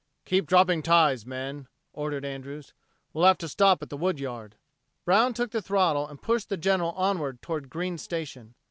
"Keep dropping ties, men," ordered Andrews. "We have to stop at the wood yard." Brown took the throttle and pushed the General onward toward Green's Station.